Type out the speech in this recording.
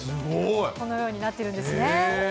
このようになってるんですね。